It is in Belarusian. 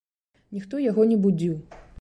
Ніхто яго не будзіў.